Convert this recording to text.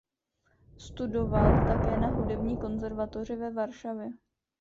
Studoval také na hudební konzervatoři ve Varšavě.